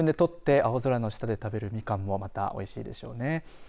青空の下で食べるみかんもまた、おいしいでしょうね。